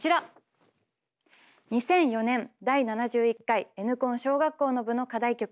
２００４年第７１回「Ｎコン」小学校の部の課題曲